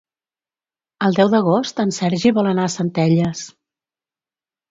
El deu d'agost en Sergi vol anar a Centelles.